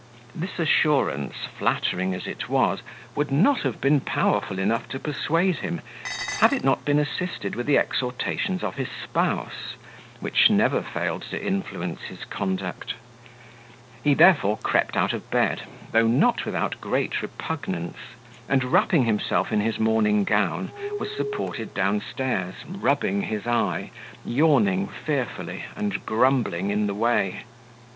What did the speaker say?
This assurance, flattering as it was, would not have been powerful enough to persuade him, had it not been assisted with the exhortations of his spouse, which never failed to influence his conduct. He therefore crept out of bed, though not without great repugnance; and wrapping himself in his morning gown, was supported down stairs, rubbing his eye, yawning fearfully, and grumbling in the way.